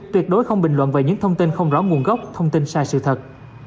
tuyệt đối không bình luận về những thông tin không rõ nguồn gốc thông tin sai sự thật